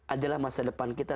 adalah masa depan kita